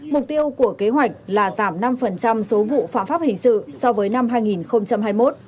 mục tiêu của kế hoạch là giảm năm số vụ phạm pháp hình sự so với năm hai nghìn hai mươi một